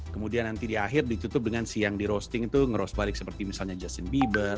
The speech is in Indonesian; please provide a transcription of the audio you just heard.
kemudian nanti di akhir dicutup dengan si yang di roasting itu nge roast balik seperti misalnya justin bieber